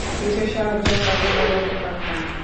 কিছু সাহায্য কাজে লাগাতে পারতাম।